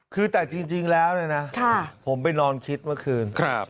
คือแต่จริงแล้วเนี่ยนะผมไปนอนคิดเมื่อคืน